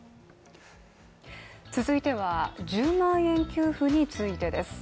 続いては、１０万円給付についてです。